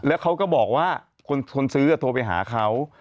แล้วเขาก็บอกว่าคนซื้อโทรไปหาเขา